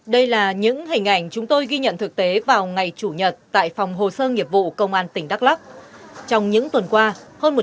đây là những hình ảnh chúng tôi ghi nhận thực tế vào ngày chủ nhật tại phòng hồ sơ nghiệp vụ công an tỉnh đắk lắk